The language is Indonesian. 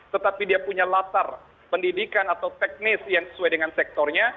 tetapi dia punya latar pendidikan atau teknis yang sesuai dengan sektornya